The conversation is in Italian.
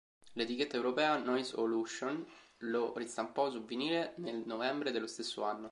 L'etichetta europea nois-o-lution lo ristampò su vinile nel novembre dello stesso anno.